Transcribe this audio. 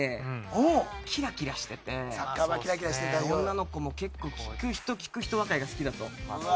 女の子も結構聞く人聞く人若井が好きだと。